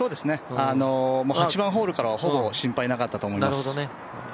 ８番ホールからはほぼ心配なかったと思います。